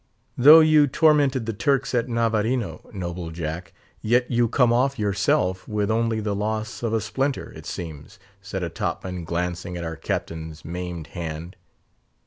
"Though you tormented the Turks at Navarino, noble Jack, yet you came off yourself with only the loss of a splinter, it seems," said a top man, glancing at our captain's maimed hand.